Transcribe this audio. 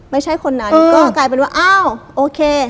ไม่ใช่คนนั้นก็กลายเป็นว่าอ้าวโอเค